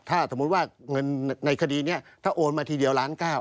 ถ้าสมมุติว่าเงินในคดีนี้ถ้าโอนมาทีเดียวล้านเก้า